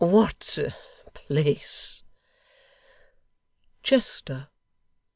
'What place?' 'Chester.